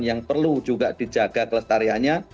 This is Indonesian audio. yang perlu juga dijaga kelestariannya